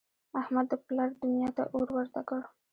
احمد د پلار دونیا ته اور ورته کړ.